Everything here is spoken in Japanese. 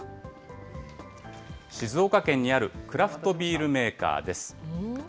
静岡県にあるクラフトビールメーカーです。